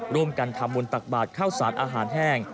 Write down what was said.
ร่วมกันทำบุญตักบาทข้าวสารอาหารแห้ง